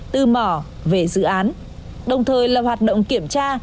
từ mỏ về dự án đồng thời là hoạt động kiểm tra